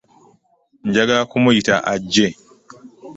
Njagala kumuyita ajje.